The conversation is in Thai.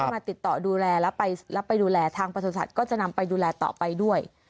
มาติดต่อดูแลแล้วไปดูแลทางประสุทธิ์ก็จะนำไปดูแลต่อไปด้วย